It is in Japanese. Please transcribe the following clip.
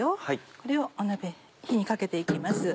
これを火にかけて行きます。